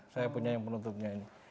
saya punya yang penuntutnya ini